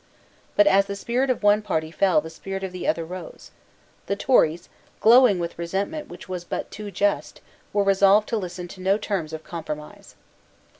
But as the spirit of one party fell the spirit of the other rose. The Tories, glowing with resentment which was but too just, were resolved to listen to no terms of compromise.